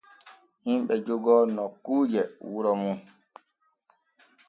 Himɓe jogoo nokkuuje wuro mum.